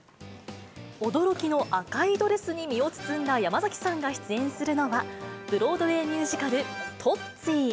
驚きの赤いドレスに身を包んだ山崎さんが出演するのは、ブロードウェイミュージカル、トッツィー。